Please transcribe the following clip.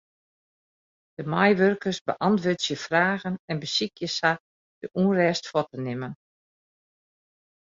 De meiwurkers beäntwurdzje fragen en besykje sa de ûnrêst fuort te nimmen.